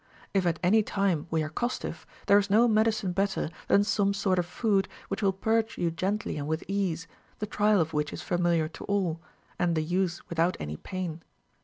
If at any time we are costive, there is no medicine better than some sort of food which will purge you gently and with ease, the trial of which is familiar to all, and the use without any pain.